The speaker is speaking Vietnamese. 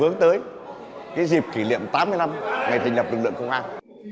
hướng tới cái dịp kỷ niệm tám mươi năm ngày thành nhập lực lượng công an